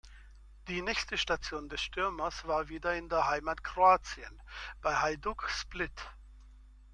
Die nächste Station des Stürmers war wieder in der Heimat Kroatien, bei Hajduk Split.